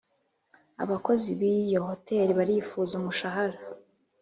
abakozi b’iyo hotel barifuza umushahara